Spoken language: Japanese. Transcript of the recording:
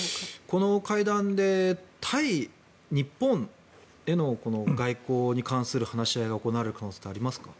この会談で対日本への外交に関する話し合いが行われる可能性ってありますか？